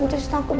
gak tahu apa apa